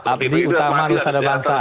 abdi utama nusa dan bangsa